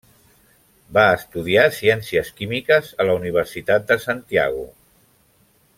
Va estudiar ciències químiques a la Universitat de Santiago.